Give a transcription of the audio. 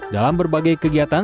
dalam berbagai kegiatan